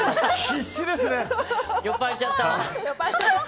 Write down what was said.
必死ですね。